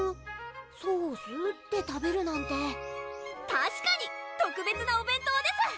そーす？で食べるなんてたしかに特別なお弁当です！